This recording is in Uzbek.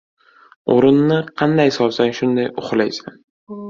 • O‘rinni qanday solsang, shunday uxlaysan.